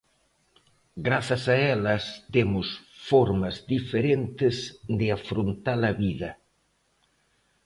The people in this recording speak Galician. Grazas a elas, temos formas diferentes de afrontar a vida.